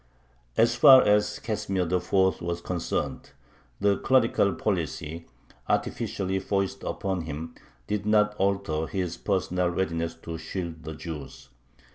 As far as Casimir IV. was concerned, the clerical policy, artificially foisted upon him, did not alter his personal readiness to shield the Jews.